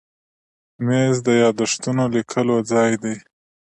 مېز د یاداښتونو لیکلو ځای دی.